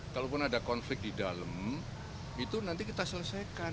kalaupun ada konflik di dalam itu nanti kita selesaikan